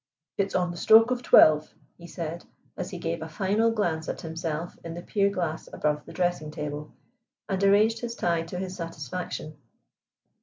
"It's on the stroke of twelve," he said, as he gave a final glance at himself in the pier glass above the dressing table, and arranged his tie to his satisfaction.